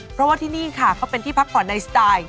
เพราะว่าที่นี่ค่ะเขาเป็นที่พักผ่อนในสไตล์